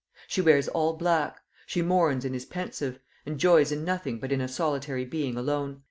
She wears all black; she mourns and is pensive, and joys in nothing but in a solitary being alone.